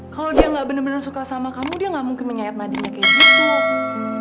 kalau dia nggak bener bener suka sama kamu dia nggak mungkin menyayat madinya kayak gitu